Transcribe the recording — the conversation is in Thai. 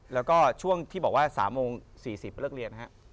แล้วก็ช่วงที่บอกว่า๓โมง๔๐เลิกเรียนนะครับ